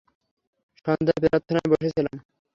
সন্ধ্যার প্রার্থনায় বসেছিলাম।